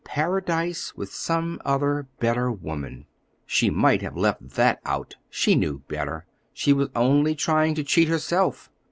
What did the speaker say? "Paradise with some other, better woman," she might have left that out; she knew better; she was only trying to cheat herself.